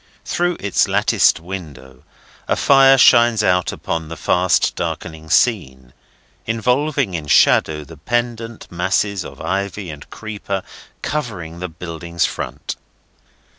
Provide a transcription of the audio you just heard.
Through its latticed window, a fire shines out upon the fast darkening scene, involving in shadow the pendent masses of ivy and creeper covering the building's front.